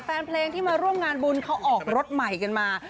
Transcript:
แฟนเพลงที่มาร่วมงานบุญเขาออกรถใหม่กันมา